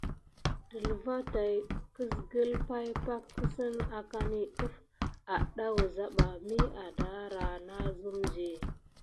Delva tät kisgəl pay pak kinze akani def adà wuza bà mi adara nasum di.